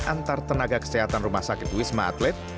antar tenaga kesehatan rumah sakit wisma atlet